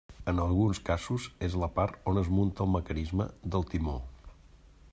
En alguns casos és la part on es munta el mecanisme del timó.